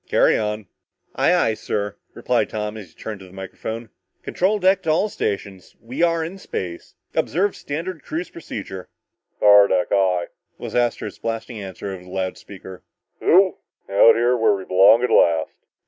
Carry on." "Aye, aye, sir," replied Tom and he turned to the microphone. "Control deck to all stations! We are in space! Observe standard cruise procedure!" "Power deck, aye!" was Astro's blasting answer over the loud speaker. "Yeeeoooww! Out where we belong at last."